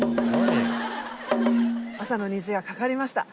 朝の虹がかかりました。